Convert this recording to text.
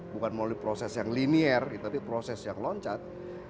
bukan melalui proses yang linear tapi proses yang loncat